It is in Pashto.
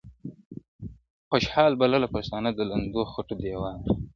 خوشحال بلله پښتانه د لندو خټو دېوال -